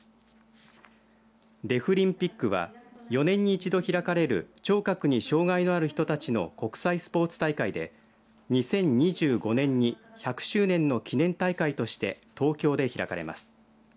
デフリンピックは４年に１度開かれる聴覚に障害のある人たちの国際スポーツ大会で２０２５年に１００周年の記念大会として東京で開かれます。